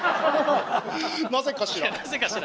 なぜかしら？